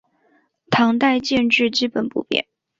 唐代建制基本不变。